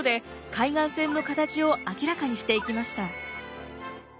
海岸線の形を明らかにしていきました。